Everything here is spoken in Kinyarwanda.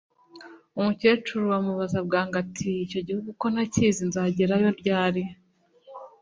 Umukecuru amubaza bwangu ati “icyo gihugu ko ntakizi nzagerayo ryari